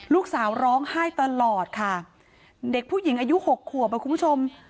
ลูกสาวร้องไห้ตลอดค่ะเด็กผู้หญิงอายุหกขวบอ่ะคุณผู้ชม